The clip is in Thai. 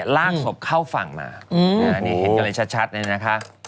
ลากศพเข้าฝั่งมานี่เห็นกันเลยชัดเลยนะคะ